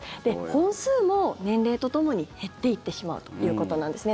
本数も年齢とともに減っていってしまうということなんですね。